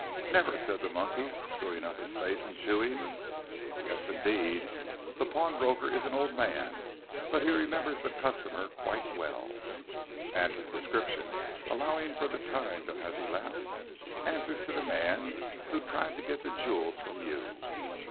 "Never," said the monkey, screwing up his face and chewing. "Yes, indeed. The pawnbroker is an old man, but he remembers the customer quite well, and his description, allowing for the time that has elapsed, answers to the man who tried to get the jewels from you."